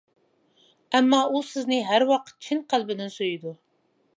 ئەمما ئۇ سىزنى ھەر ۋاقىت چىن قەلبىدىن سۆيىدۇ.